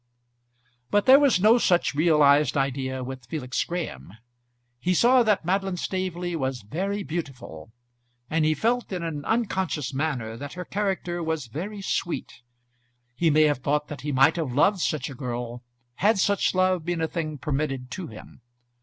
But there was no such realised idea with Felix Graham. He saw that Madeline Staveley was very beautiful, and he felt in an unconscious manner that her character was very sweet. He may have thought that he might have loved such a girl, had such love been a thing permitted to him.